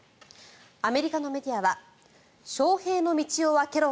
アメリカのメディアは翔平の道を開けろ！